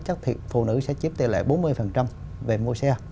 chắc thì phụ nữ sẽ chiếm tỷ lệ bốn mươi về mua xe